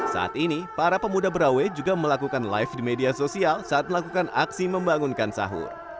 saat ini para pemuda berawe juga melakukan live di media sosial saat melakukan aksi membangunkan sahur